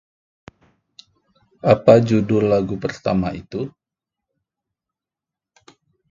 Apa judul lagu pertama itu?